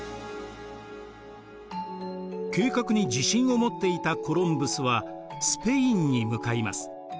計画に自信を持っていたコロンブスはスペインに向かいます。